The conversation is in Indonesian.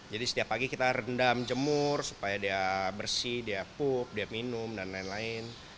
jadi setiap pagi kita rendam jemur supaya dia bersih dia pup dia minum dan lain lain